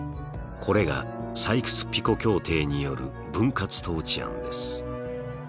これがサイクス・ピコ協定による分割統治案です。